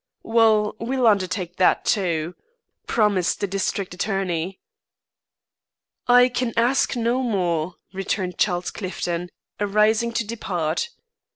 "Well, we'll undertake that, too," promised the district attorney. "I can ask no more," returned Charles Clifton, arising to depart.